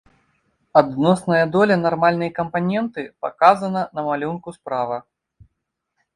Адносная доля нармальнай кампаненты паказана на малюнку справа.